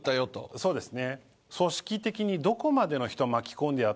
そうですね。